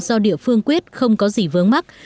do địa phương quyết không có gì vướng mắc